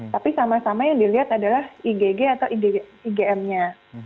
tapi sama sama yang dilihat adalah igg atau igm nya